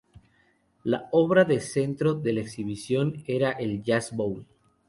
La obra de centro de la exhibición era el "Jazz Bowl".